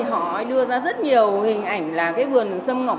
họ đưa ra rất nhiều hình ảnh là cái vườn sâm ngọc